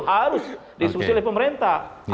harus diskusi oleh pemerintah